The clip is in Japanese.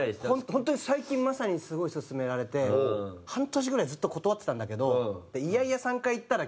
本当に最近まさにすごい勧められて半年ぐらいずっと断ってたんだけど。